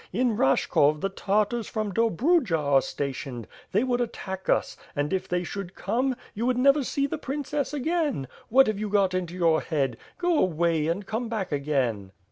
In Rashkov the Tartars from Dobrudja are stationed. They would attack us and, if they should come, you would never see the princess again. What have you got into your head? Go away, and come back again."